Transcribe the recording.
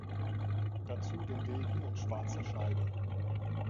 Dazu den Degen in schwarzer Scheide.